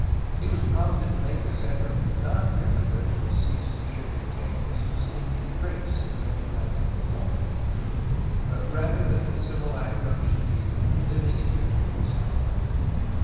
He Avas prompted to make this effort, not merely that the deceased should retain his distinctive traits in a recognizable form, but rather th.at the simulacrum should be the " living " image of himself.